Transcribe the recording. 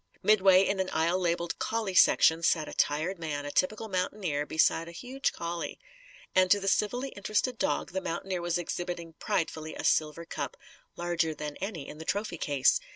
Midway in an aisle labelled COLLIE SECTION sat a tired man, a typical mountaineer, beside a huge collie. And to the civilly interested dog the mountaineer was exhibiting pridefully a silver cup; larger than any in the trophy case.